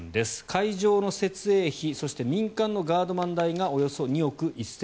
会場の設営費そして民間のガードマン代がおよそ２億１０００万円。